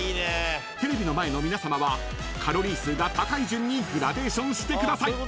［テレビの前の皆さまはカロリー数が高い順にグラデーションしてください］